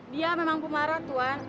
dia memang pemarah tuhan